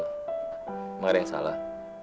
nggak ada yang salah